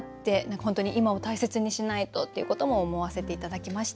本当に今を大切にしないとっていうことも思わせて頂きました。